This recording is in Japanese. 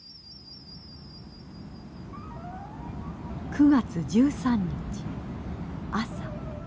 ９月１３日朝。